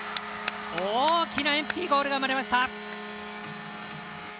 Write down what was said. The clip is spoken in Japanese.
大きなエンプティーゴールが生まれました。